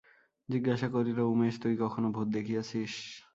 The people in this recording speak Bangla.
জিজ্ঞাসা করিল, উমেশ, তুই কখনো ভূত দেখিয়াছিস?